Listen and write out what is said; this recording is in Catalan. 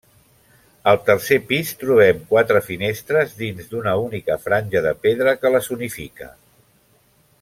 Al tercer pis trobem quatre finestres dins d'una única franja de pedra que les unifica.